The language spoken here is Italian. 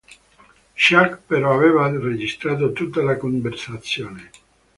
Chuck però aveva registrato tutta la conversazione.